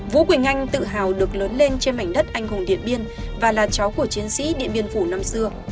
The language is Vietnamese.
vũ quỳnh anh tự hào được lớn lên trên mảnh đất anh hùng điện biên và là cháu của chiến sĩ điện biên phủ năm xưa